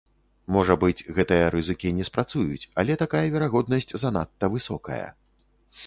Можа быць, гэтыя рызыкі не спрацуюць, але такая верагоднасць занадта высокая.